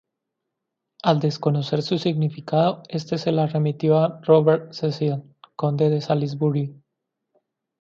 Al desconocer su significado, este se la remitió a Robert Cecil, conde de Salisbury.